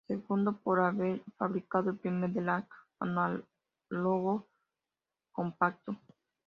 Segundo, por haber fabricado el primer delay análogo compacto.